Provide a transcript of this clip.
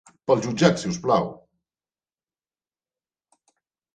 Pel jutjat, si us plau.